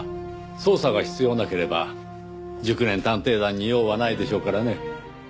捜査が必要なければ熟年探偵団に用はないでしょうからね。